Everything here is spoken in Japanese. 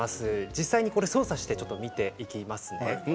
実際に操作して見ていきますね。